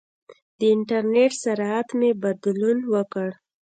د انټرنېټ سرعت مې بدلون وکړ.